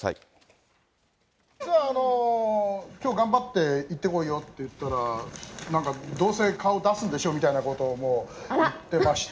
実はあの、きょう頑張って行ってこいよって言ったら、なんか、どうせ顔出すんでしょみたいなことを、もう言ってまして。